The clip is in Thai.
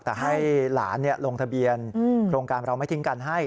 แต่ให้หลานลงทะเบียนโครงการเราไม่ทิ้งกันให้